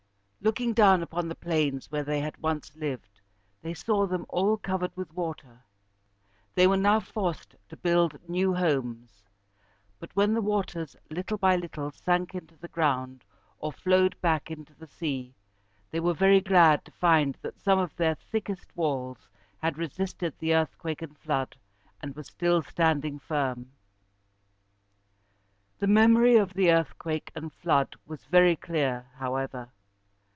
Looking down upon the plains where they had once lived, they saw them all covered with water. They were now forced to build new homes; but when the waters little by little sank into the ground, or flowed back into the sea, they were very glad to find that some of their thickest walls had resisted the earthquake and flood, and were still standing firm. The memory of the earthquake and flood was very clear, however.